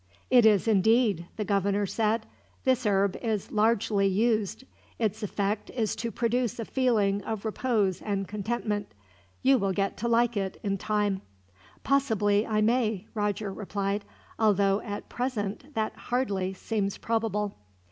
"It is, indeed," the governor said. "This herb is largely used. Its effect is to produce a feeling of repose and contentment. You will get to like it, in time." "Possibly I may," Roger replied; "although at present, that hardly seems probable."